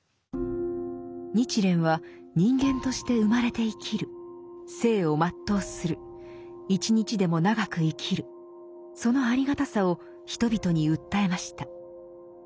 日蓮は人間として生まれて生きる生を全うする一日でも長く生きるそのありがたさを人々に訴えました。